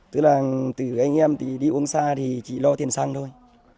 tức là từ anh em đi uống xa thì chỉ lo tiền xăng thôi